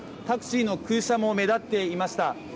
タクシーの空車も目立っていました。